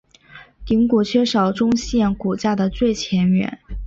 顶骨缺少中线骨架的最前缘。